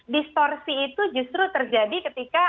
distorsi itu justru terjadi ketika